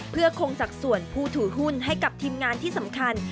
เพื่อคงสัดส่วนผู้ถือหุ้นให้กับทีมงานที่สำคัญ